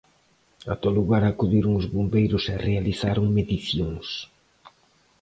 Ata o lugar acudiron os bombeiros e realizaron medicións.